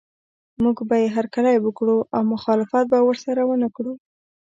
موږ به یې هرکلی وکړو او مخالفت به ورسره ونه کړو.